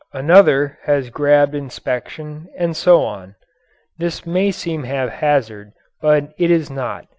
Another has grabbed inspection, and so on. This may seem haphazard, but it is not.